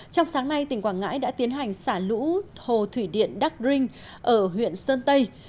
trong sáng nay tỉnh quảng ngãi đã tiến hành xả lũ hồ thủy điện đắc rinh ở huyện sơn tây